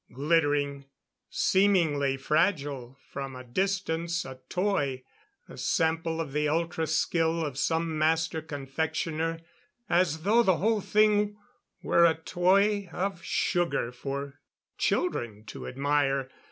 Glittering. Seemingly fragile; from a distance, a toy a sample of the ultra skill of some master confectioner, as though the whole thing were a toy of sugar for children to admire.